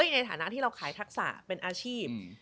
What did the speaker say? ในฐานะที่เราขายทักษะเป็นอาชีพ